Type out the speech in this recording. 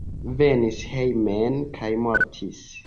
Venis hejmen kaj mortis.